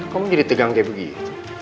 kamu jadi tegang kayak begini